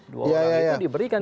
dua orang itu diberikan